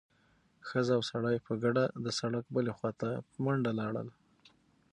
ښځه او سړی په ګډه د سړک بلې خوا ته په منډه لاړل.